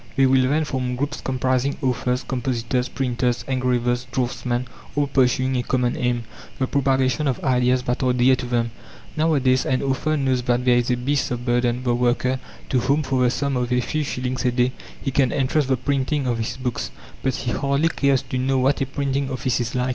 They will then form groups comprising authors, compositors, printers, engravers, draughtsmen, all pursuing a common aim the propagation of ideas that are dear to them. Nowadays an author knows that there is a beast of burden, the worker, to whom, for the sum of a few shillings a day, he can entrust the printing of his books; but he hardly cares to know what a printing office is like.